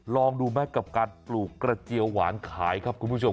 ลองดูไหมกับการปลูกกระเจียวหวานขายครับคุณผู้ชม